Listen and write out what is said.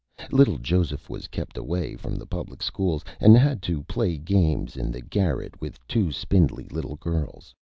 Little Joseph was kept away from the Public Schools, and had to Play Games in the Garret with two Spindly Little Girls.